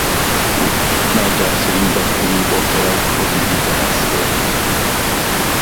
وەک ناودارترین بەرهەمی ئۆپێرایی کۆمیدی دەناسرێت